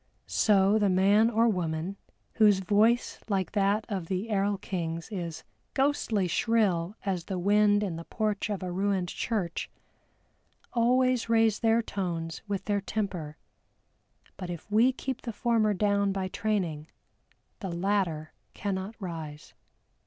So the man or woman, whose voice like that of the erl king's is "ghostly shrill as the wind in the porch of a ruined church," always raise their tones with their temper, but if we keep the former down by training, the latter cannot rise.